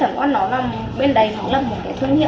chẳng quan nó là một cái thương hiệu